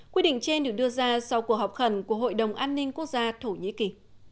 quyết định trên được đưa ra sau cuộc họp khẩn của hội đồng an ninh quốc gia thổ nhĩ kỳ